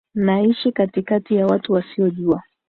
Naishi katikati ya watu wasiojua